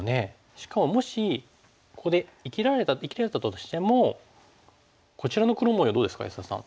しかももしここで生きれたとしてもこちらの黒模様どうですか安田さん。